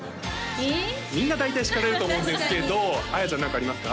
みんな大体叱られると思うんですけど綾ちゃん何かありますか？